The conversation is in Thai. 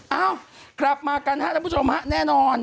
เอ้ากลับมากันแล้วผู้ชมแน่นอน